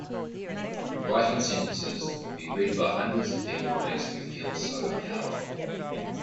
Writing sentences that will be read by hundreds of people makes me feel so powerful!